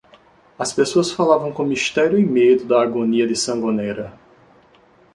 As pessoas falavam com mistério e medo da agonia de Sangonera.